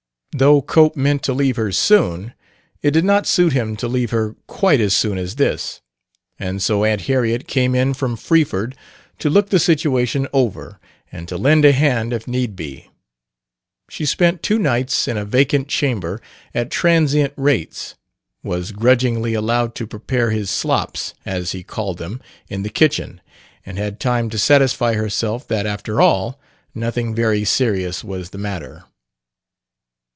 Though Cope meant to leave her soon, it did not suit him to leave her quite as soon as this; and so Aunt Harriet came in from Freeford to look the situation over and to lend a hand if need be. She spent two nights in a vacant chamber at transient rates; was grudgingly allowed to prepare his "slops," as he called them, in the kitchen; and had time to satisfy herself that, after all, nothing very serious was the matter.